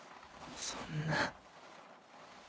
そんな。